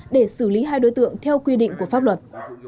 để xử lý hai đối tượng theo quy định của pháp luật